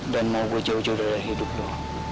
dan mau gue jauh jauh dari hidup lo